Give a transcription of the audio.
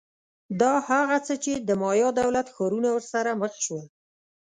دا هغه څه چې د مایا دولت ښارونه ورسره مخ شول